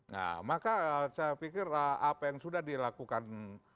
nah maka saya pikir apa yang sudah dilakukan